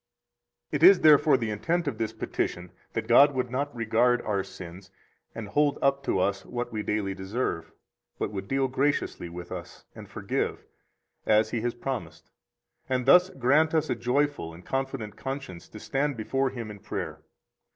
92 It is therefore the intent of this petition that God would not regard our sins and hold up to us what we daily deserve, but would deal graciously with us, and forgive, as He has promised, and thus grant us a joyful and confident conscience to stand before Him in prayer.